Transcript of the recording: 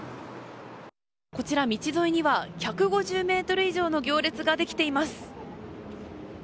こちら、道沿いには１５０ｍ以上の行列ができています。